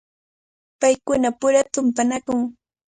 Paykunapura tumpanakun.